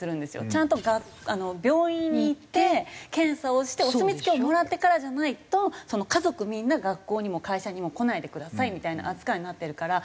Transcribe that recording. ちゃんと病院に行って検査をしてお墨付きをもらってからじゃないと家族みんな学校にも会社にも来ないでくださいみたいな扱いになってるから。